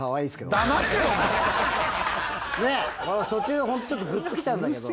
途中ホントちょっとグッときたんだけど。